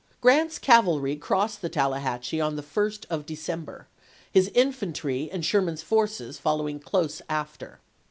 Grant's cavalry crossed the Tallahatchie on the 1st of December, his infantry and Sherman's forces following close after.